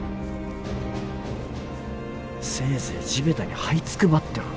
せいぜい地べたにはいつくばってろ